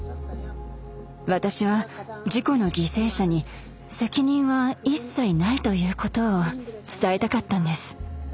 私は事故の犠牲者に責任は一切ないということを伝えたかったんです。